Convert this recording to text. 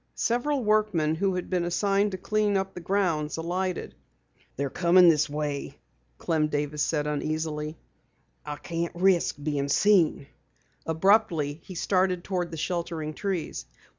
Several workmen who had been assigned to clean up the grounds, alighted. "They're coming this way," Clem Davis said uneasily. "I can't risk being seen." Abruptly, he started toward the sheltering trees.